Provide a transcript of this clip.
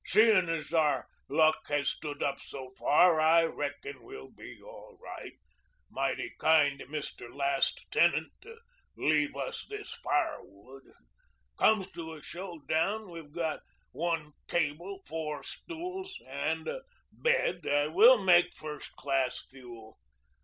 Seeing as our luck has stood up so far, I reckon we'll be all right. Mighty kind of Mr. Last Tenant to leave us this firewood. Comes to a showdown we've got one table, four stools, and a bed that will make first class fuel.